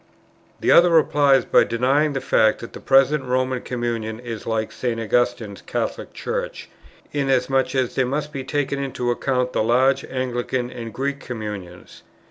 The other replies by denying the fact that the present Roman communion is like St. Augustine's Catholic Church, inasmuch as there must be taken into account the large Anglican and Greek communions.